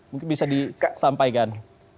mungkin bisa disampaikan